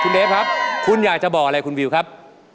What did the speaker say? เดฟครับคุณอยากจะบอกอะไรคุณวิวครับ